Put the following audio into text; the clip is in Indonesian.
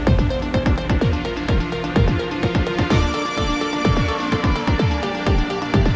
kedaulatimu asymptos merammet semua orang